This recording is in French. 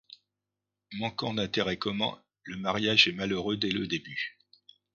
Manquant d'intérêts communs, le mariage est malheureux dès le début.